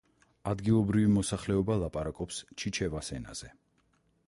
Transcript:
ადგილობრივი მოსახლეობა ლაპარაკობს ჩიჩევას ენაზე.